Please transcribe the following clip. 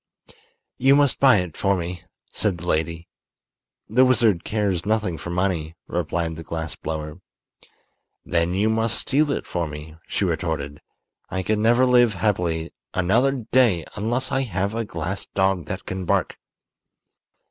"You must buy it for me," said the lady. "The wizard cares nothing for money," replied the glass blower. "Then you must steal it for me," she retorted. "I can never live happily another day unless I have a glass dog that can bark."